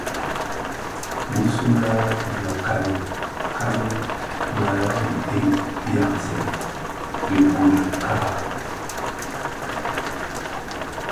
Bisule le mekani kani mè dheteb byamzèn dhiguňa kka.